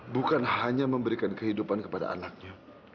bukan hanya memberikan kehidupan kepada anaknya